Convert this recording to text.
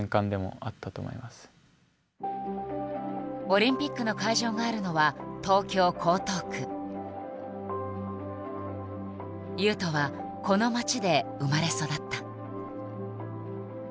オリンピックの会場があるのは雄斗はこの街で生まれ育った。